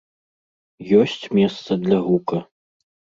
Ёсць месца для гука.